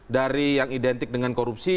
dari yang identik dengan korupsi